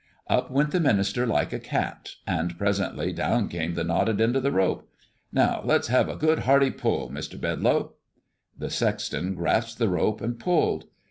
Up went the minister like a cat; and presently down came the knotted end of the rope. "Now, let's have a good, hearty pull, Mr. Bedlow." The sexton grasped the rope and pulled.